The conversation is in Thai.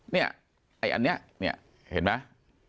เนี่ยไอ้อันนี้เนี่ยเห็นไหม